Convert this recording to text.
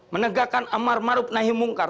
menegakkan amar marub nahi mungkar